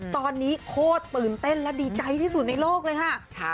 ตอนนี้โคตรตื่นเต้นและดีใจที่สุดในโลกเลยค่ะ